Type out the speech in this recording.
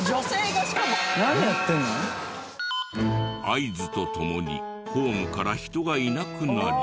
合図と共にホームから人がいなくなり。